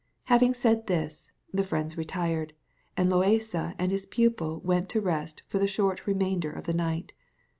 Having said this, the friends retired, and Loaysa and his pupil went to rest for the short remainder of the night.